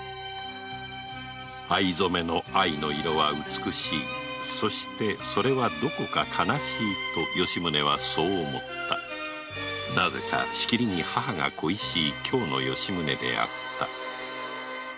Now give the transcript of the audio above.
藍染めの藍の色は美しいそしてそれはどこか哀しいと吉宗はそう思ったなぜかしきりに母が恋しい